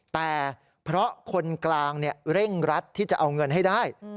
แต่เพราะคนกลางเร่งรัดที่จะเอาเงินให้ได้